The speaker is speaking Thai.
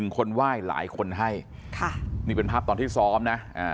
คนไหว้หลายคนให้ค่ะนี่เป็นภาพตอนที่ซ้อมนะ